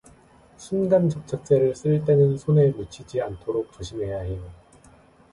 순간접착제를 쓸 때는 손에 묻히지 않도록 조심해야 해요.